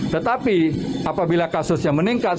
tetapi apabila kasusnya meningkat